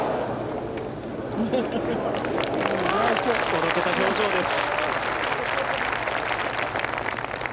おどけた表情です。